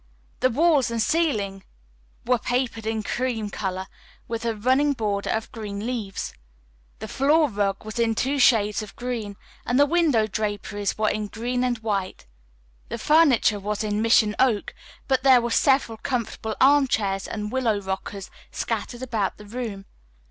The walls and ceilings were papered in cream color with a running border of green leaves. The floor rug was in two shades of green, and the window draperies were in green and white. The furniture was in mission oak, but there were several comfortable arm chairs and willow rockers scattered about the room.